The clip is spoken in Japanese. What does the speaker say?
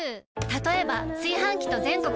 たとえば炊飯器と全国